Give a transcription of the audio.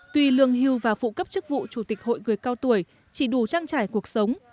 tuy lương hưu và phụ cấp chức vụ chủ tịch hội người cao tuổi chỉ đủ trang trải cuộc sống